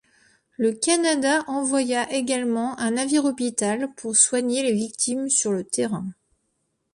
Le Canada envoya également un navire-hôpital pour soigner les victimes sur le terrain.